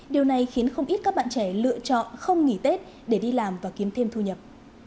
điều này khiến không ít các bạn trẻ lựa chọn không nghỉ tết để đi làm và kiếm thêm thu nhập